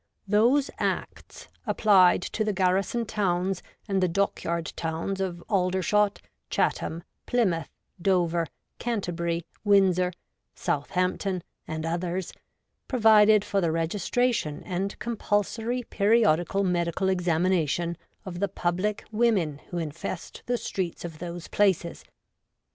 Those Acts, applied to the garrison towns and the dockyard towns of Aldershot, Chatham, Ply mouth, Dover, Canterbury, Windsor, Southampton, and others, provided for the registration and com pulsory periodical medical examination of the public women who infest the streets of those places.